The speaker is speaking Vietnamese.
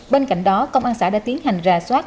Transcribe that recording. bên cạnh đó công an xã đã tiến hành rà soát